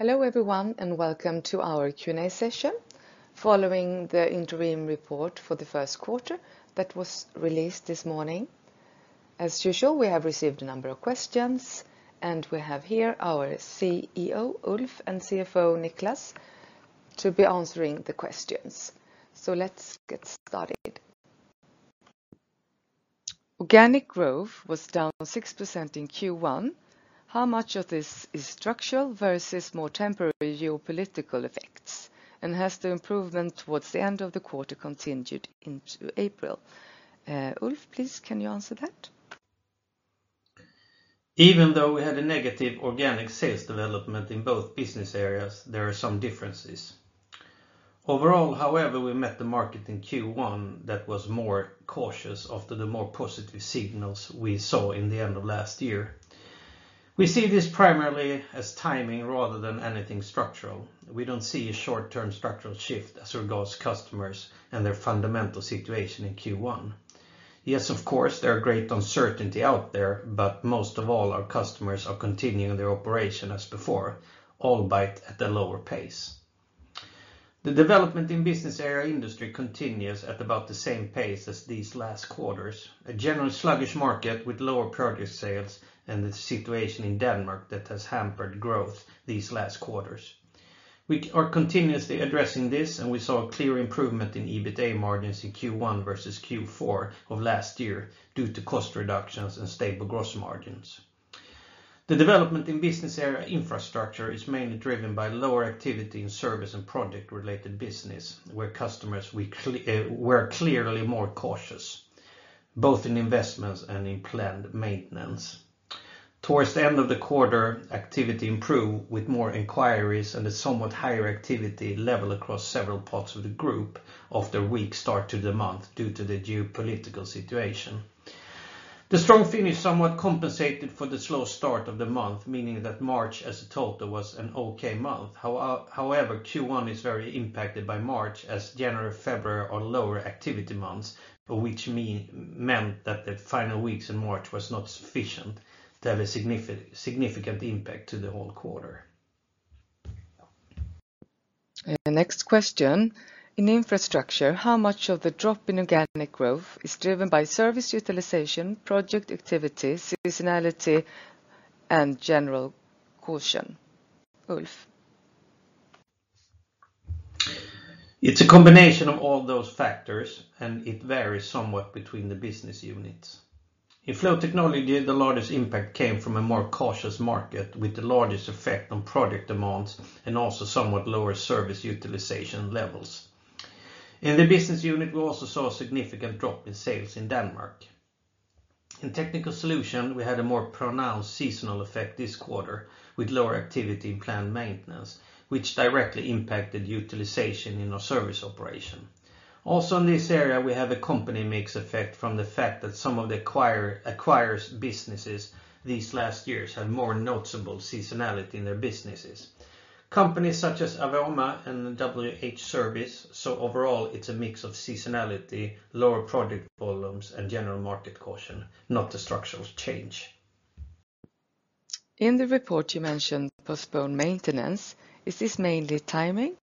Hello, everyone, and welcome to our Q&A session following the interim report for the first quarter that was released this morning. As usual, we have received a number of questions, and we have here our CEO, Ulf, and CFO, Niklas, to be answering the questions. Let's get started. Organic growth was down 6% in Q1. How much of this is structural versus more temporary geopolitical effects? Has the improvement towards the end of the quarter continued into April? Ulf, please, can you answer that? Even though we had a negative organic sales development in both business areas, there are some differences. Overall, however, we met the market in Q1 that was more cautious after the more positive signals we saw in the end of last year. We see this primarily as timing rather than anything structural. We don't see a short-term structural shift as regards customers and their fundamental situation in Q1. Yes, of course, there are great uncertainty out there, but most of all, our customers are continuing their operation as before, albeit at a lower pace. The development in business area industry continues at about the same pace as these last quarters. A general sluggish market with lower project sales and the situation in Denmark that has hampered growth these last quarters. We are continuously addressing this, and we saw a clear improvement in EBITA margins in Q1 versus Q4 of last year due to cost reductions and stable gross margins. The development in business area infrastructure is mainly driven by lower activity in service and project related business, where customers were clearly more cautious, both in investments and in planned maintenance. Towards the end of the quarter, activity improved with more inquiries and a somewhat higher activity level across several parts of the group after a weak start to the month due to the geopolitical situation. The strong finish somewhat compensated for the slow start of the month, meaning that March as a total was an okay month. However, Q1 is very impacted by March, as January, February are lower activity months, which meant that the final weeks in March was not sufficient to have a significant impact to the whole quarter. Next question. In infrastructure, how much of the drop in organic growth is driven by service utilization, project activity, seasonality, and general caution? Ulf. It's a combination of all those factors. It varies somewhat between the business units. In Flow Technology, the largest impact came from a more cautious market with the largest effect on project demands and also somewhat lower service utilization levels. In the business unit, we also saw a significant drop in sales in Denmark. In Technical Solutions, we had a more pronounced seasonal effect this quarter with lower activity in planned maintenance, which directly impacted utilization in our service operation. Also in this area, we have a company mix effect from the fact that some of the acquired businesses these last years had more noticeable seasonality in their businesses. Companies such as Avoma and WH-Service. Overall, it's a mix of seasonality, lower project volumes, and general market caution, not a structural change. In the report, you mentioned postponed maintenance. Is this mainly timing?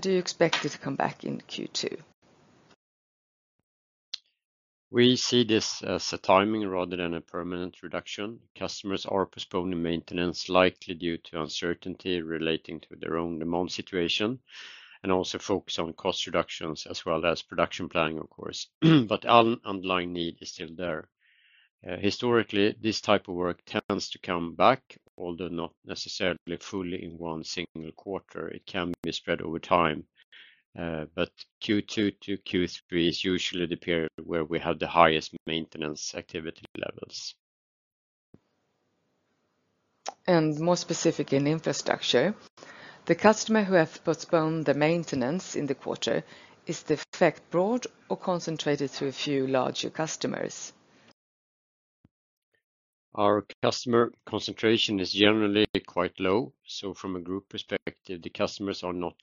Do you expect it to come back in Q2? We see this as a timing rather than a permanent reduction. Customers are postponing maintenance likely due to uncertainty relating to their own demand situation, and also focus on cost reductions as well as production planning, of course. Underlying need is still there. Historically, this type of work tends to come back, although not necessarily fully in one single quarter. It can be spread over time. Q2 to Q3 is usually the period where we have the highest maintenance activity levels. More specific in Infrastructure, the customer who has postponed the maintenance in the quarter, is the effect broad or concentrated to a few larger customers? Our customer concentration is generally quite low, so from a group perspective, the customers are not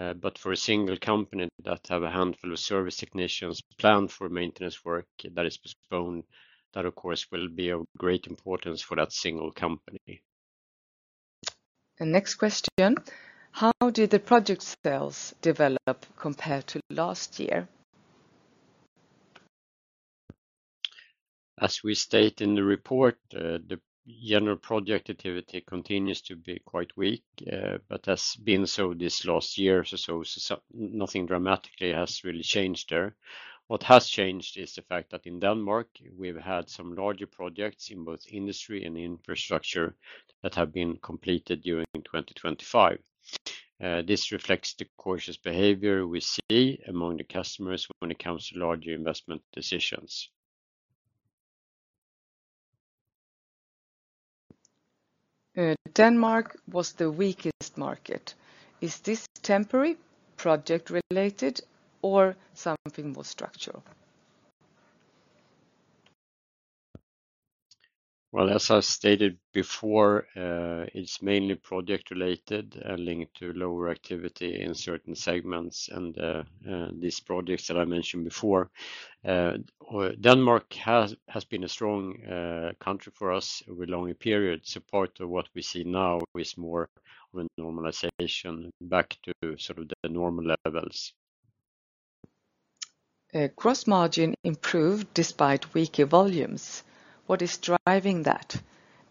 large. For a single company that have a handful of service technicians planned for maintenance work that is postponed, that of course, will be of great importance for that single company. The next question, how did the project sales develop compared to last year? As we state in the report, the general project activity continues to be quite weak, but has been so this last year or so. Nothing dramatically has really changed there. What has changed is the fact that in Denmark, we've had some larger projects in both industry and Infrastructure that have been completed during 2025. This reflects the cautious behavior we see among the customers when it comes to larger investment decisions. Denmark was the weakest market. Is this temporary, project related, or something more structural? Well, as I stated before, it's mainly project related and linked to lower activity in certain segments and these projects that I mentioned before. Denmark has been a strong country for us over a longer period. Part of what we see now is more of a normalization back to sort of the normal levels. Gross margin improved despite weaker volumes. What is driving that?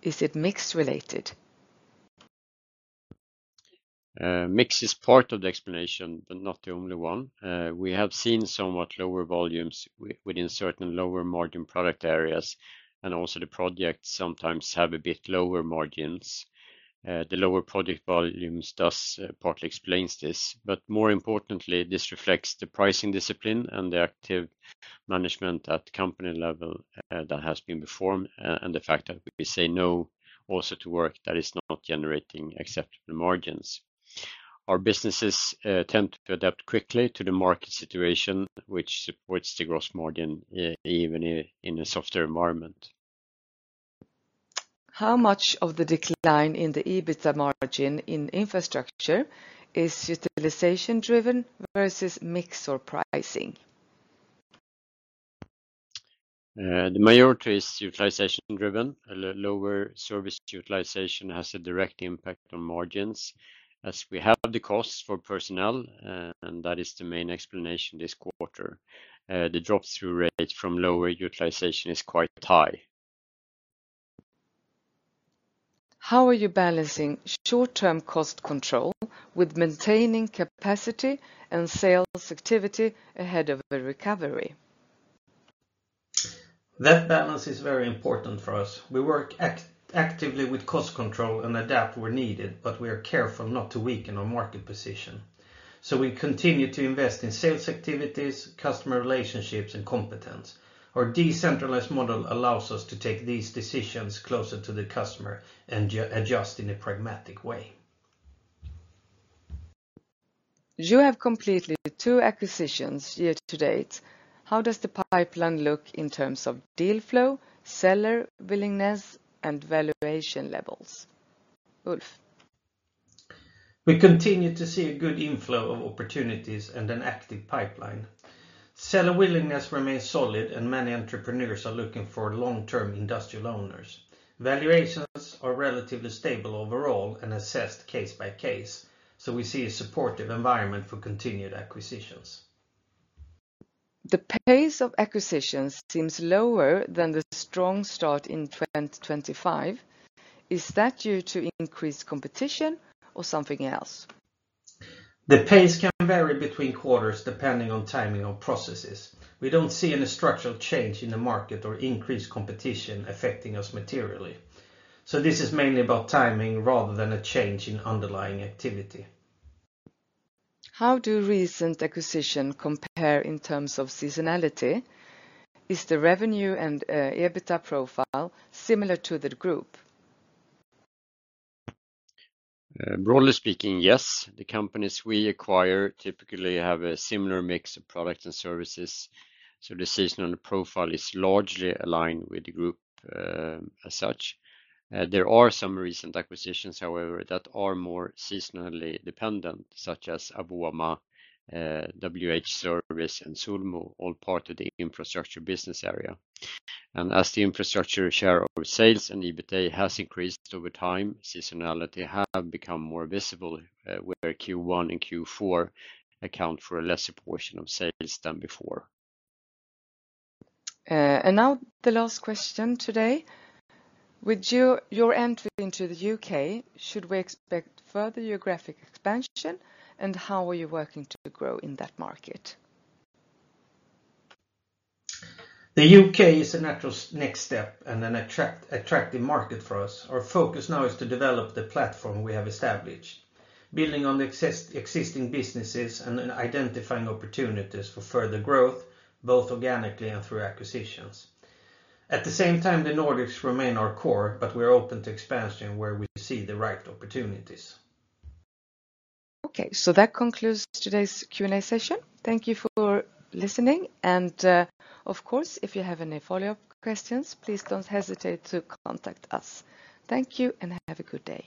Is it mix related? Mix is part of the explanation, but not the only one. We have seen somewhat lower volumes within certain lower margin product areas, and also the projects sometimes have a bit lower margins. The lower project volumes does partly explains this, but more importantly, this reflects the pricing discipline and the active management at company level that has been performed and the fact that we say no also to work that is not generating acceptable margins. Our businesses tend to adapt quickly to the market situation, which supports the gross margin even in a softer environment. How much of the decline in the EBITA margin in infrastructure is utilization driven versus mix or pricing? The majority is utilization driven. A lower service utilization has a direct impact on margins as we have the costs for personnel, and that is the main explanation this quarter. The drop-through rate from lower utilization is quite high. How are you balancing short-term cost control with maintaining capacity and sales activity ahead of a recovery? That balance is very important for us. We work actively with cost control and adapt where needed, but we are careful not to weaken our market position. We continue to invest in sales activities, customer relationships, and competence. Our decentralized model allows us to take these decisions closer to the customer and adjust in a pragmatic way. You have completed two acquisitions year-to-date. How does the pipeline look in terms of deal flow, seller willingness, and valuation levels? Ulf. We continue to see a good inflow of opportunities and an active pipeline. Seller willingness remains solid and many entrepreneurs are looking for long-term industrial owners. Valuations are relatively stable overall and assessed case by case, we see a supportive environment for continued acquisitions. The pace of acquisitions seems lower than the strong start in 2025. Is that due to increased competition or something else? The pace can vary between quarters depending on timing of processes. We don't see any structural change in the market or increased competition affecting us materially. This is mainly about timing rather than a change in underlying activity. How do recent acquisitions compare in terms of seasonality? Is the revenue and EBITA profile similar to the group? Broadly speaking, yes. The companies we acquire typically have a similar mix of products and services, so the seasonal profile is largely aligned with the group as such. There are some recent acquisitions, however, that are more seasonally dependent, such as Avoma, WH-Service, and Sulmu, all part of the Infrastructure business area. As the Infrastructure share of sales and EBITA has increased over time, seasonality have become more visible, where Q1 and Q4 account for a lesser portion of sales than before. Now the last question today. With your entry into the U.K., should we expect further geographic expansion, and how are you working to grow in that market? The U.K. is a natural next step and an attractive market for us. Our focus now is to develop the platform we have established, building on the existing businesses and identifying opportunities for further growth, both organically and through acquisitions. At the same time, the Nordics remain our core, but we are open to expansion where we see the right opportunities. Okay, that concludes today's Q&A session. Thank you for listening. Of course, if you have any follow-up questions, please don't hesitate to contact us. Thank you and have a good day.